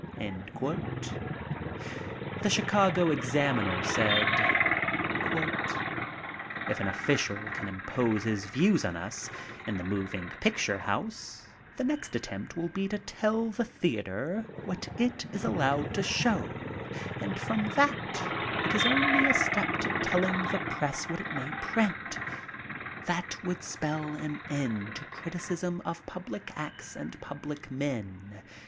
The Chicago Elxaminer said: "If an official can impose his views on us in the moving picture house, the next attempt will be to tell the theater what it is allowed to show, and from that it is only a step to telling the press what it may print That would spell an end to criticism of public acts and public men.